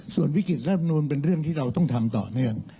ส่วนวิกฤตรัฐมนูลเป็นเรื่องที่เราต้องทำต่อเนื่อง